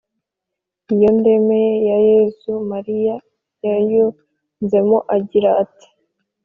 iyo “ndemeye” ya yezu, mariya yayunzemo agira ati: